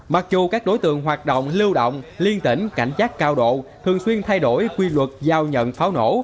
mặc dù các đối tượng hoạt động lưu động liên tỉnh cảnh giác cao độ thường xuyên thay đổi quy luật giao nhận pháo nổ